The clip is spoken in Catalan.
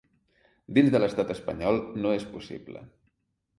Dins de l’estat espanyol no és possible.